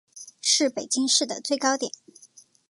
是北京市的最高点。